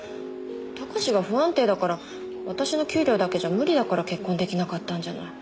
貴史が不安定だから私の給料だけじゃ無理だから結婚できなかったんじゃない。